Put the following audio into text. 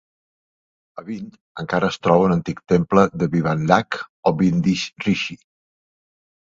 A Bhind encara es troba un antic temple de Vibhandak o Bhindi Rishi.